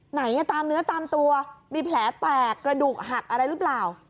ไหนตามเนื้อตามตัวมีแผลแตกกระดูกหักอะไรหรือเปล่า